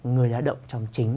người lá động trong chính